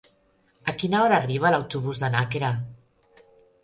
A quina hora arriba l'autobús de Nàquera?